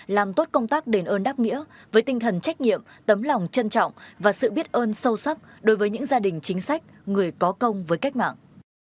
làm tốt công tác đền ơn đáp nghĩa với tinh thần trách nhiệm tấm lòng trân trọng và sự biết ơn sâu sắc đối với những gia đình chính sách người có công với cách mạng